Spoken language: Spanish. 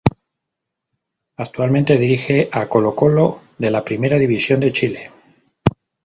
Actualmente dirige a Colo-Colo de la Primera División de Chile.